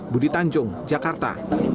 budi tanjung jakarta